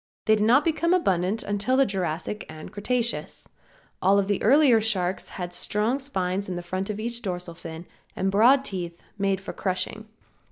They did not become abundant until the Jurassic and Cretaceous. All of the earlier sharks had strong spines in front of each dorsal fin and broad teeth made for crushing.